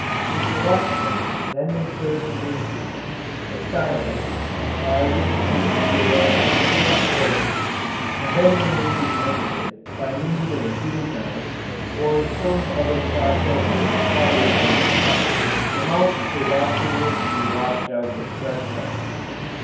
With the left hand then insert an instrument, a stilus, by which the uvula is pulled forward, and then remove the end of it by means of a heated knife or some other process of cauterization. The mouth should afterwards be washed out with fresh milk.